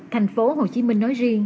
tp hcm nói riêng